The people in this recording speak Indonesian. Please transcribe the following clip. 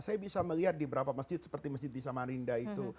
saya bisa melihat di beberapa masjid seperti masjid di samarinda itu